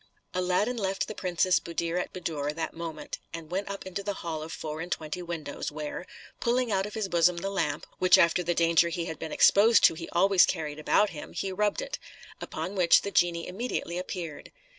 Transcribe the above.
Aladdin left the Princess Buddir al Buddoor that moment, and went up into the hall of four and twenty windows, where, pulling out of his bosom the lamp, which after the danger he had been exposed to he always carried about him, he rubbed it; upon which the genie immediately appeared.